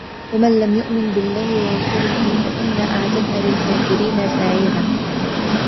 ومن لم يؤمن بالله ورسوله فإنا أعتدنا للكافرين سعيرا